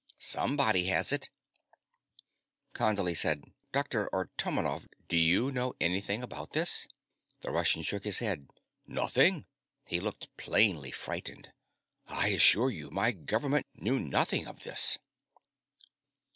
Somebody has it ..." Condley said: "Dr. Artomonov, do you know anything about this?" The Russian shook his head. "Nothing." He looked plainly frightened. "I assure you, my government knew nothing of this."